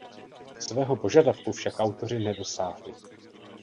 Svého požadavku však autoři nedosáhli.